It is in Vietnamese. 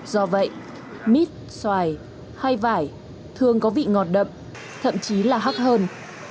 do vậy mít xoài hay vải thường có vị ngọt đậm thậm chí là hắc hơn